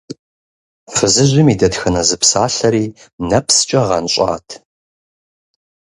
Фызыжьым и дэтхэнэ зы псалъэри нэпскӀэ гъэнщӀат.